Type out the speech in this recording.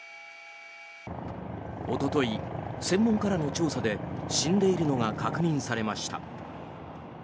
おととい、専門家らの調査で死んでいるのが確認されました。